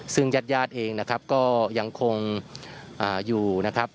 ซึ่งยาดเองนะครับก็ยังคงอยู่นะครับ